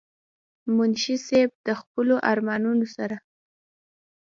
منشي صېب د خپلو ارمانونو سره